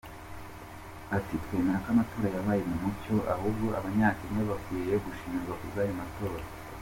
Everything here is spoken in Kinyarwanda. Ati “Twemera ko amatora yabaye mu mucyo ahubwo abanyakenya bakwiye gushimirwa kubw’ayo matora.